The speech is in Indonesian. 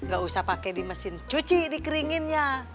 gak usah pake di mesin cuci dikeringinnya